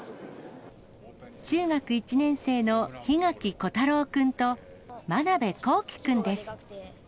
中学１年生の檜垣虎太郎君と、眞鍋こうき君です。